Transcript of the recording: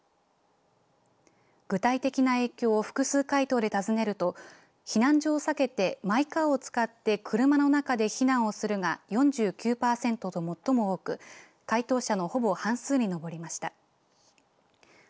具体的な影響を複数回答で尋ねると避難所を避けてマイカーを使って車の中で避難をするが４９パーセントと最も多く回答者のほぼ半数に上りました。